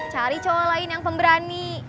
cari cowok lain yang pemberani